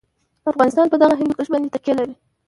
افغانستان په دغه هندوکش باندې تکیه لري.